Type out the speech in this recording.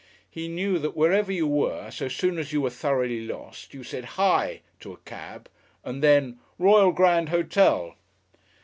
He knew that whereever you were, so soon as you were thoroughly lost you said "Hi!" to a cab, and then "Royal Grand Hotel."